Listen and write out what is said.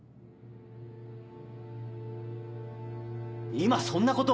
今そんなことは。